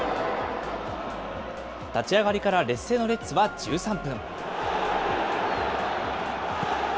立ち上がりから劣勢のレッズは１３分。